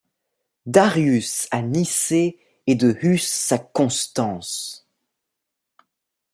D’Arius à Nicée et de Huss à Constance ;